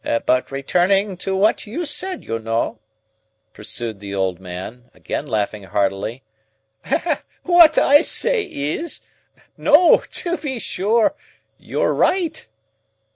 But returning to what you said, you know," pursued the old man, again laughing heartily, "what I say is, No to be sure; you're right."